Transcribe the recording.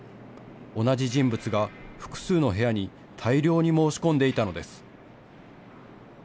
同じ人物が複数の部屋に大量に申し込んでいたのです。